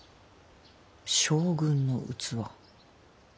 将軍の器。